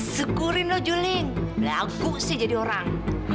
sekurin lo juling lagu sih jadi orang